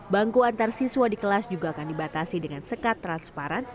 bangku antar siswa di kelas juga akan dibatasi dengan sekat transparan